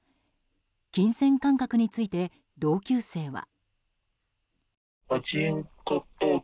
金銭感覚について同級生は。